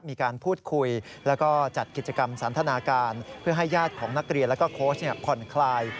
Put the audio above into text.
มีการพูดคุยแล้วก็จัดกิจกรรมสันทนาการเพื่อให้ญาติของนักเรียนและโค้ชผ่อนคลาย